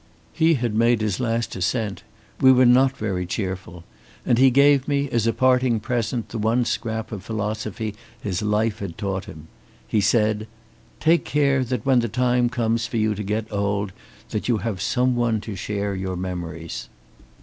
He had made his last ascent. We were not very cheerful. And he gave me as a parting present the one scrap of philosophy his life had taught him. He said: 'Take care that when the time comes for you to get old that you have some one to share your memories.